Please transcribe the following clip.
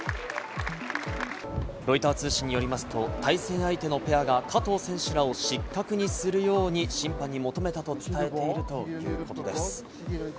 ロイター通信によりますと、対戦相手のペアが加藤選手らを失格にするように審判に求めたと伝えているということです。